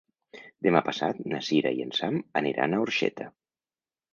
Demà passat na Cira i en Sam aniran a Orxeta.